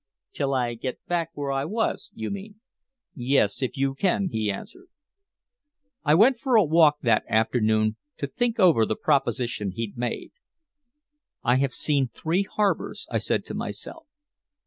"Till I get back where I was, you mean?" "Yes, if you can," he answered. I went for a walk that afternoon to think over the proposition he'd made. "I have seen three harbors," I said to myself.